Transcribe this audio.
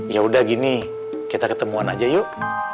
yaudah gini kita ketemuan aja yuk